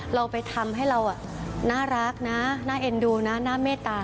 เราไปทำให้เราน่ารักนะน่าเอ็นดูนะน่าเมตตา